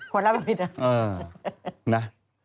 คนรับผิดน่ะ